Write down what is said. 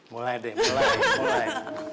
mulai deh mulai mulai